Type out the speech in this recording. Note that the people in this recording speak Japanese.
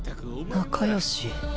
仲よし？